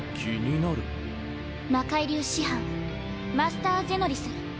魔械流師範マスター・ゼノリス。